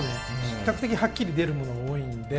比較的はっきり出るものが多いんで。